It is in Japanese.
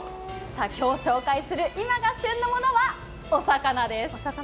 今日、紹介する今が旬のものはお魚です。